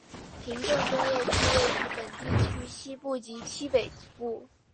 平镇工业区位于本地区西部及西北部。